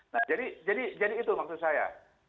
nah jadi itu maksud saya